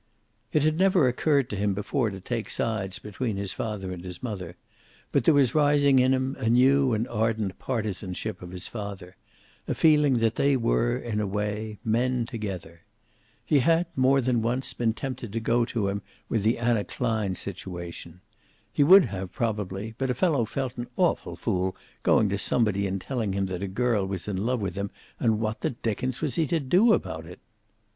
It had never occurred to him before to take sides between his father and his mother, but there was rising in him a new and ardent partisanship of his father, a feeling that they were, in a way, men together. He had, more than once, been tempted to go to him with the Anna Klein situation. He would have, probably, but a fellow felt an awful fool going to somebody and telling him that a girl was in love with him, and what the dickens was he to do about it?